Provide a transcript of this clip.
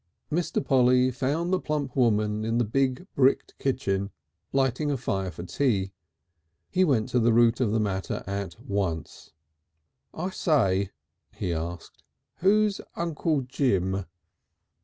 V Mr. Polly found the plump woman in the big bricked kitchen lighting a fire for tea. He went to the root of the matter at once. "I say," he asked, "who's Uncle Jim?"